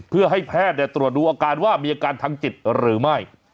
เพื่อให้แพทย์ตรวจดูอาการว่ามีอาการทางจิตหรือไม่